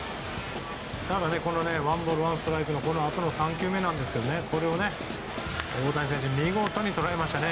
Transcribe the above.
ワンボールワンストライクのあと３球目ですが大谷選手は見事に捉えましたね。